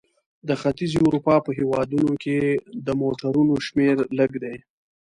د ختیځې اروپا په هېوادونو کې د موټرونو شمیر لږ دی.